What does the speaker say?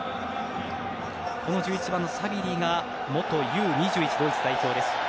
この１１番のサビリが元Ｕ‐２１代表です。